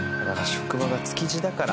職場が築地だから。